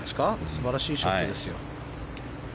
素晴らしいショットですよ。